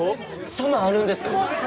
そんなんあるんですか？